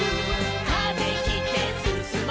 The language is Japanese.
「風切ってすすもう」